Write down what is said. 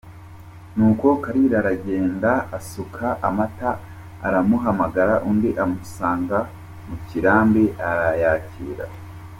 Nuko Kalira aragenda asuka amata aramuhamagara, undi amusanga mu kirambi arayakira.